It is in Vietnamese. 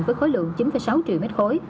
với khối lượng chín sáu triệu m ba